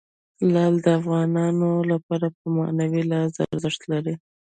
لعل د افغانانو لپاره په معنوي لحاظ ارزښت لري.